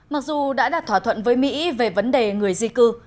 mặc dù đã đạt thỏa thuận với mỹ về vấn đề người di cư